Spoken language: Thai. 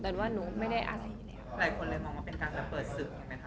แต่ว่าหนูไม่ได้อะไรอย่างนี้